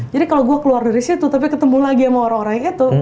jadi kalau gue keluar dari situ tapi ketemu lagi sama orang orang itu